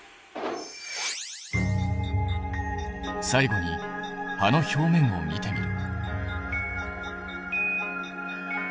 最後に葉の表面を見てみる。